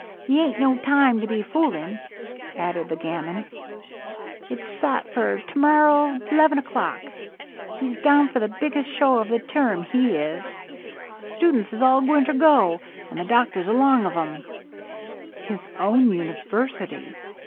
Te ain't no time to be f oolin'," added the gamin. ^^ It 's sot for termorrer 28 LOVELINESS. 'leven o'clock. He 's down for the biggest show of the term, he is. The students is all gwineter go, an' the doctors along of 'em." His own university